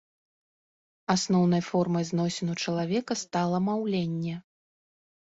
Асноўнай формай зносін у чалавека стала маўленне.